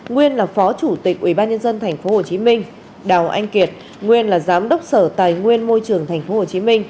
nguyên là phó chủ tịch ubnd tp hcm đào anh kiệt nguyên là giám đốc sở tài nguyên môi trường tp hcm